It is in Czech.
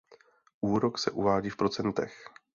Úrok se uvádí v procentech.